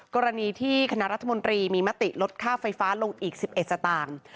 กรณีที่คณะรัฐมนตรีมีมติลดค่าไฟฟ้าลงอีก๑๑สตางค์